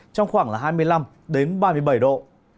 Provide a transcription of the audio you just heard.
trong khoảng hai mươi năm ba mươi bảy độ